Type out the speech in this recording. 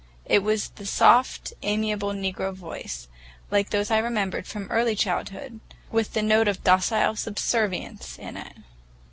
It was the soft, amiable negro voice, like those I remembered from early childhood, with the note of docile subservience in it.